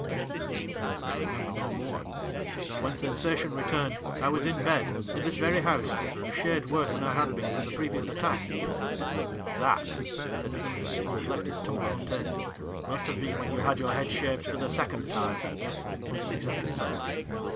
' I remember no more. When sensation re turned, I was in bed, in this very house, a shade worse than I had been from the previous attack.' ' That,' said Philip, who had left his tum bler untasted, ' must have been when you had your head shaved for the second time.' ' Exactly so.'